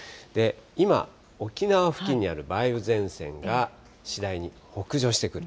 今、沖縄付近にある梅雨前線が、次第に北上してくる。